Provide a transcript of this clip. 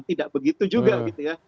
tidak begitu juga gitu ya